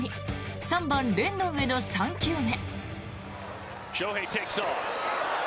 ３番、レンドンへの３球目。